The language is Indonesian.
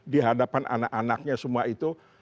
di hadapan anak anaknya semua itu